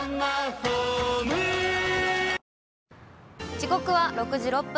時刻は６時６分。